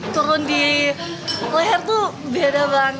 turun di leher tuh beda banget